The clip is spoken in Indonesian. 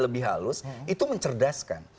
lebih halus itu mencerdaskan